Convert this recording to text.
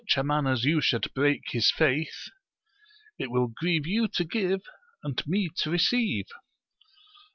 187 a man as you should br^k his faith : it will grieve you to give, and me to receive!